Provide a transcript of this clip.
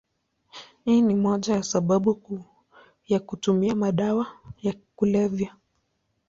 Hii ni moja ya sababu kuu ya kutumia madawa ya kulevya.